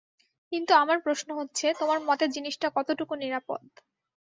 কিন্তু আমার প্রশ্ন হচ্ছে, তোমার মতে জিনিসটা কতটুকু নিরাপদ?